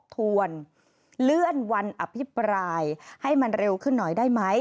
ควรเลื่อนวันอภิปรายให้มันเร็วขึ้นหน่อยได้ไหม